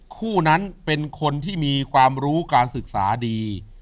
คู่นั้นเป็นคนที่มีความรู้การศึกษาดี